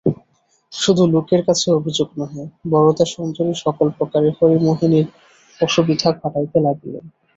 শুধু লোকের কাছে অভিযোগ নহে, বরদাসুন্দরী সকল প্রকারে হরিমোহিনীর অসুবিধা ঘটাইতে লাগিলেন।